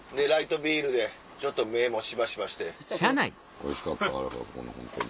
おいしかったホントに。